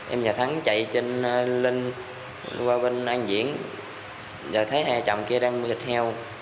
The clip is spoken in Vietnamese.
em và thắng chạy lên qua bên an viễn rồi thấy hai chồng kia đang mua thịt heo